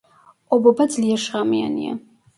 ობობა ძლიერ შხამიანია.